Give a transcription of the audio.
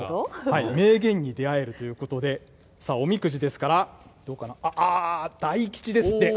名言に出会えるということで、さあ、おみくじですから、どうかな、あー、大吉ですって。